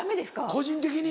個人的に。